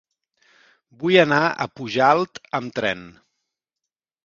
Vull anar a Pujalt amb tren.